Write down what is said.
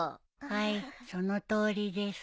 はいそのとおりです。